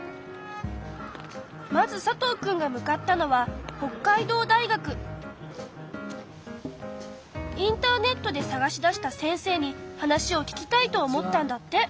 まず佐藤くんが向かったのはインターネットでさがし出した先生に話を聞きたいと思ったんだって。